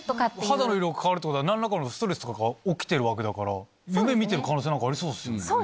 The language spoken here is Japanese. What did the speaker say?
肌の色が変わるってことは何らかのストレスとかが起きてるわけだから夢見てる可能性何かありそうっすよね。